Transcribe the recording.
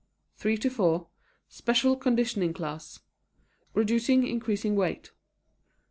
3:00 to 4:00 Special Conditioning Class (Reducing, Increasing Weight).